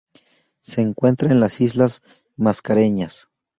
Se encuentra en las islas Mascareñas.